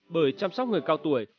bởi chăm sóc người cao tuổi